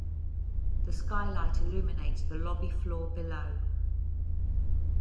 The skylight illuminates the lobby floor below.